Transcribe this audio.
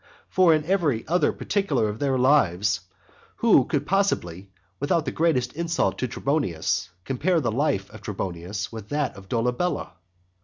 For in every other particular of their lives, who could possibly, without the greatest insult to Trebonius, compare the life of Trebonius to that of Dolabella?